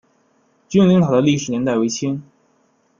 君灵塔的历史年代为清。